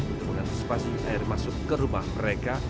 untuk mengantisipasi air masuk ke rumah mereka